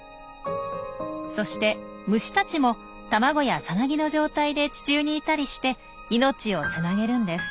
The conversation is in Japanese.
そして虫たちも卵やさなぎの状態で地中にいたりして命をつなげるんです。